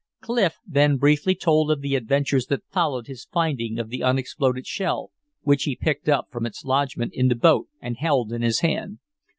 Clif then briefly told of the adventures that followed his finding of the unexploded shell, which he picked up from its lodgment in the boat and held in his hand.